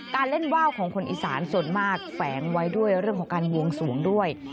การเล่นว่าวของคนอีสานส่วนมากแฝงไว้ด้วยเรื่องของการบวงสวงด้วย